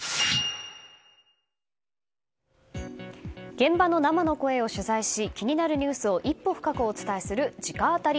現場の生の声を取材し気になるニュースを一歩深くお伝えする直アタリ。